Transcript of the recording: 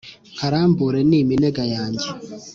nkarambure ni iminega yanjye